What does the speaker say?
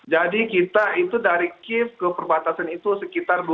jadi kita itu dari kiv ke perbatasan itu sekitar dua belas jam